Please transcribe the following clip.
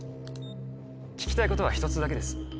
聞きたいことは１つだけです。